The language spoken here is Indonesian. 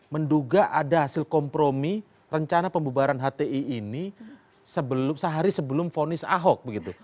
menduga ada hasil kompromi rencana pembubaran hti ini sehari sebelum vonis ahok begitu